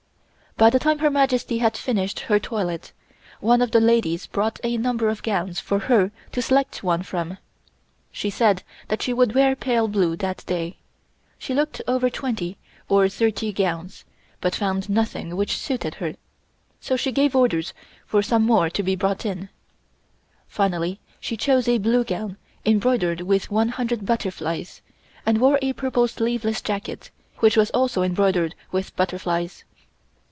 By the time Her Majesty had finished her toilet, one of the ladies brought a number of gowns for her to select one from. She said she would wear pale blue that day. She looked over twenty or thirty gowns, but found nothing which suited her, so she gave orders for some more to be brought in. Finally she chose a blue gown embroidered with one hundred butterflies, and wore a purple sleeveless jacket, which was also embroidered with butterflies.